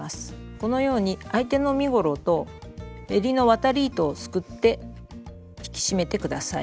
このように相手の身ごろとえりの渡り糸をすくって引き締めて下さい。